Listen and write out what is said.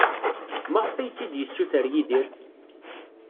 Maɣef ay tt-id-yessuter Yidir?